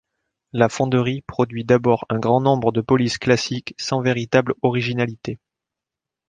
La fonderie produit d’abord un grand nombre de polices classiques sans véritable originalité.